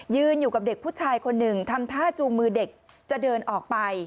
ยืนอยู่กับเด็กผู้ชายคนหนึ่งทำท่าจูงมือเด็กจะเดินออกไป